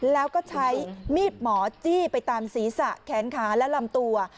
แล้วก็ใช้มีดหมอจี้ไปตามศีรษะแขนขาและลำตัว